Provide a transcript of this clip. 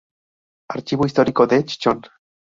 Archivo Histórico de Chinchón.